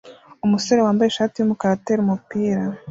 Umusore wambaye ishati yumukara atera umupira